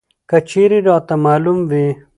که چېرې راته معلوم وى!